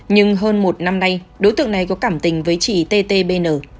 nhưng hơn một năm nay đối tượng này có cảm tình với chị ttbn